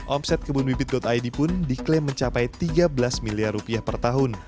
omset kebunbibit id pun diklaim mencapai tiga belas miliar rupiah per tahun